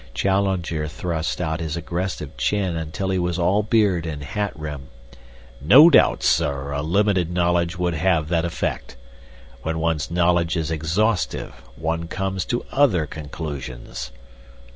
Challenger thrust out his aggressive chin until he was all beard and hat rim. "No doubt, sir, a limited knowledge would have that effect. When one's knowledge is exhaustive, one comes to other conclusions."